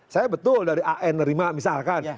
saya betul dari an nerima misalkan